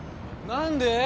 何で？